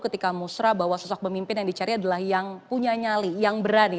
ketika musrah bahwa sosok pemimpin yang dicari adalah yang punya nyali yang berani